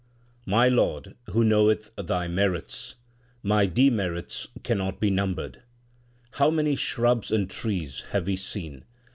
My Lord, who knoweth Thy merits ? My demerits cannot be numbered. How many shrubs and trees have we seen